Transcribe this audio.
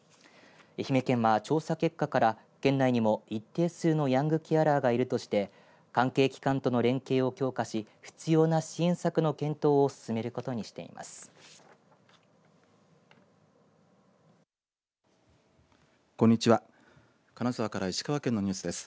愛媛県は調査結果から県内にも一定数のヤングケアラーがいるとして関係機関との連携を強化し必要な支援策の検討を進めることにしています。